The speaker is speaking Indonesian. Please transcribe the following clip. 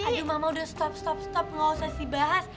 aduh mama udah stop stop gak usah dibahas